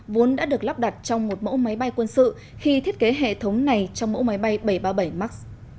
vốn đã được lắp đặt trong một mẫu máy bay quân sự khi thiết kế hệ thống này trong mẫu máy bay bảy trăm ba mươi bảy max